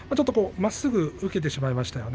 まっすぐ出てしまいましたよね。